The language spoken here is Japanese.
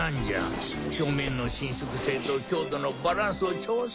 表面の伸縮性と強度のバランスを調整すれば。